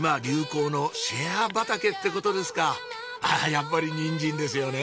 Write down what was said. やっぱりニンジンですよね